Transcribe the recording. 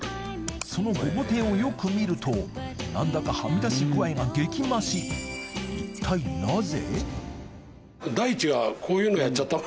そのごぼ天をよく見ると何だかはみ出し具合が激増し一体なぜ？